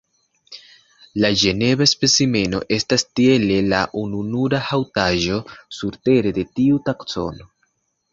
La ĝeneva specimeno estas tiele la ununura haŭtaĵo surtere de tiu taksono.